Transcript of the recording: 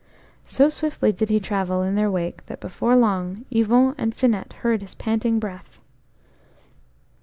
O swiftly did he travel in their wake that before long Yvon and Finette heard his panting breath.